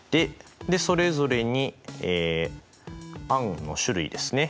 でそれぞれに餡の種類ですね。